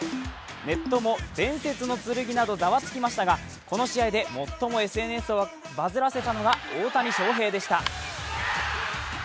ネットも「伝説の剣」などざわつきましたがこの試合で最もＳＮＳをバズらせたのが大谷翔平でした。